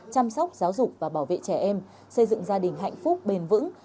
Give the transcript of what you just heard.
chăm sóc giáo dục và bảo vệ trẻ em xây dựng gia đình hạnh phúc bền vững